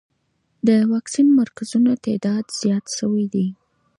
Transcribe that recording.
د واکسین مرکزونو تعداد زیات شوی دی.